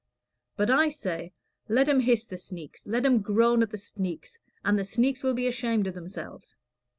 But I say let 'em hiss the sneaks, let 'em groan at the sneaks, and the sneaks will be ashamed of themselves.